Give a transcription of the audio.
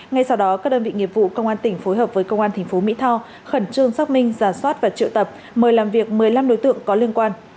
ngay sau đó các đơn vị nghiệp vụ công an tỉnh phối hợp với công an tp mỹ tho khẩn trương xác minh giả soát và triệu tập mời làm việc một mươi năm đối tượng có liên quan